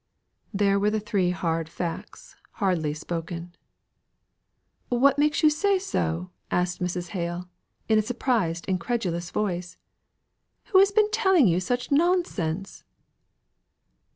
There were the three hard facts hardly spoken. "What makes you say so?" asked Mrs. Hale, in a surprised, incredulous voice. "Who has been telling you such nonsense?"